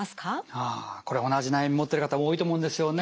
ああこれ同じ悩み持ってる方多いと思うんですよね。